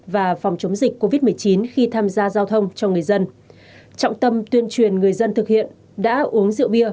và phòng chống dịch covid một mươi chín khi tham gia giao thông cho người dân trọng tâm tuyên truyền người dân thực hiện đã uống rượu bia